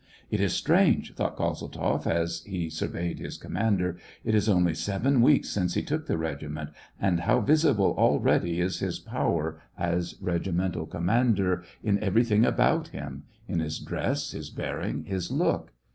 *' It is strange," thought Kozeltzoff, as he sur veyed his commander, ''it is only seven weeks since he took the regiment, and how visible already is his power as regimental commander, in everything about him — in his dress, his bearing, his look.